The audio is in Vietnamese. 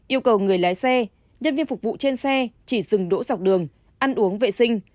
yêu cầu người lái xe nhân viên phục vụ trên xe chỉ dừng đỗ dọc đường ăn uống vệ sinh